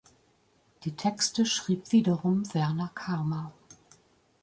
Die Texte schrieb wiederum Werner Karma.